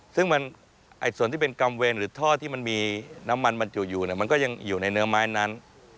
ซึ่งส่วนที่เป็นกำเวรหรือท่อที่มันมีน้ำมันบรรจุอยู่มันก็ยังอยู่ในเนื้อไม้นั้น